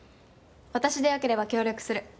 私で良ければ協力する。